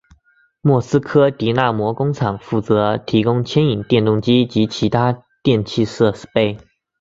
莫斯科迪纳摩工厂负责提供牵引电动机及其他电气设备。